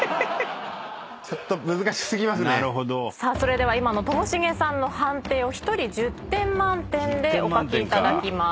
では今のともしげさんの判定を１人１０点満点でお書きいただきます。